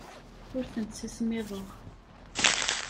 Ur tent-ssismiḍeɣ.